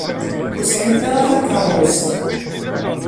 Ur sɛint ara takeṛṛust.